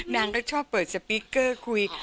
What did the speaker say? นางก็ชอบเปิดสปีกเกอร์คุย